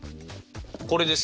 これですね。